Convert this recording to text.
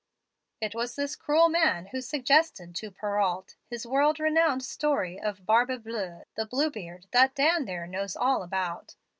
It was this cruel man who suggested to Perrault his world renowned story of Barbe bleu, the Blue Beard that Dan there knows all about.